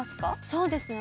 そうですか？